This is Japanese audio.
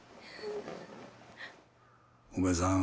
おめさん